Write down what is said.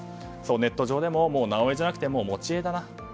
ネット上でももう「なおエ」じゃなくてもう「もちエ」だなと。